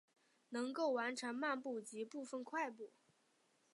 能够完成漫步及部份快步。